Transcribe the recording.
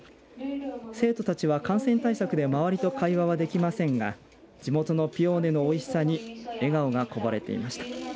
生徒たちは感染対策で周りと会話はできませんが地元のピオーネのおいしさに笑顔がこぼれていました。